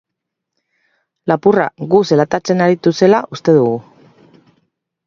Lapurra gu zelatatzen aritu zela uste dugu.